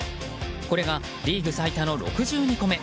これがリーグ最多の６２個目。